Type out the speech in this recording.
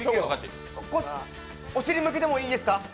お尻向けてもいいですか？